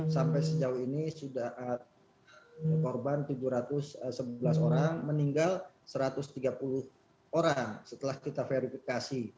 sampai sejauh ini sudah korban tujuh ratus sebelas orang meninggal satu ratus tiga puluh orang setelah kita verifikasi